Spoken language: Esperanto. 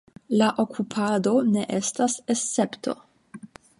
La okupado ne estas escepto.